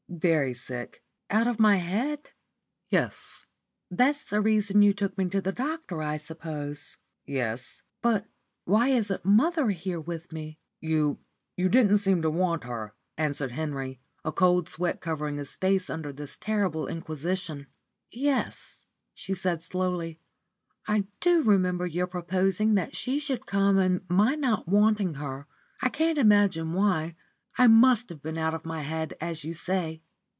"Very sick." "Out of my head?" "Yes." "That's the reason you took me to the doctor, I suppose?" "Yes." "But why isn't mother here with me?" "You you didn't seem to want her," answered Henry, a cold sweat covering his face under this terrible inquisition. "Yes," said she, slowly, "I do remember your proposing she should come and my not wanting her. I can't imagine why. I must have been out of my head, as you say.